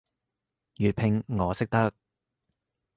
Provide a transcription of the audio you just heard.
粵拼我識得